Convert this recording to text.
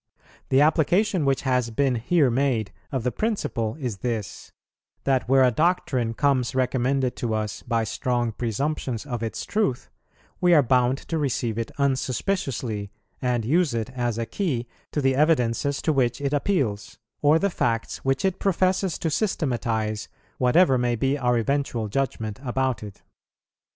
The application which has been here made of the principle is this, that where a doctrine comes recommended to us by strong presumptions of its truth, we are bound to receive it unsuspiciously, and use it as a key to the evidences to which it appeals, or the facts which it professes to systematize, whatever may be our eventual judgment about it.